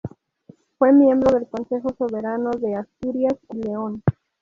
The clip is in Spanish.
Fue miembro del Consejo soberano de Asturias y León.